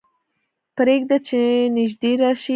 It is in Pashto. پرېږده چې نږدې راشي.